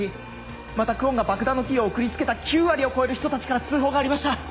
また久遠が爆弾のキーを送り付けた９割を超える人たちから通報がありました。